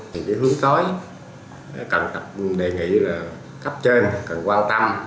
những hướng tối cần đề nghị cấp trên cần quan tâm